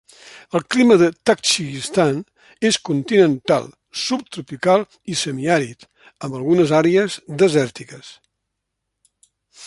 El clima del Tadjikistan és continental, subtropical i semiàrid, amb algunes àrees desèrtiques.